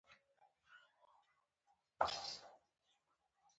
داسې انکشاف د علم او پوهې او تخنیکي اطلاعاتو په عامولو ممکنیږي.